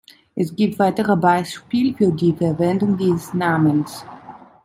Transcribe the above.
Es gibt weitere Beispiel für die Verwendung dieses Namens.